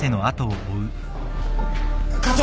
課長。